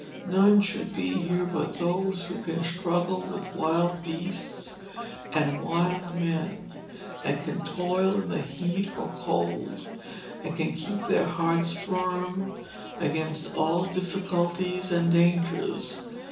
None should be here but those who can struggle with wild beasts and wild men, and can toil in the heat or cold, and can keep their hearts firm against all difficulties and dangers.